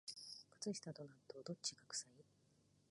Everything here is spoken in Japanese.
靴下と納豆、どっちが臭い？